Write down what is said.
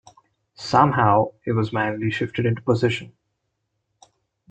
Somehow, it was manually shifted into position.